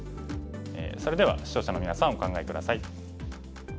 それでは視聴者のみなさんお考え下さい。